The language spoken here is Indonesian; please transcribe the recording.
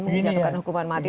menjatuhkan hukuman mati